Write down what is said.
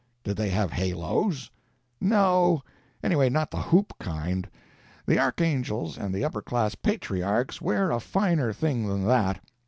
"Did they have halos?" "No—anyway, not the hoop kind. The archangels and the upper class patriarchs wear a finer thing than that.